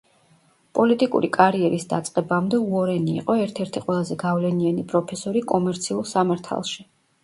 პოლიტიკური კარიერის დაწყებამდე უორენი იყო ერთ-ერთი ყველაზე გავლენიანი პროფესორი კომერციულ სამართალში.